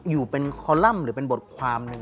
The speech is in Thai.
อยู่เป็นคอลัมป์หรือเป็นบทความหนึ่ง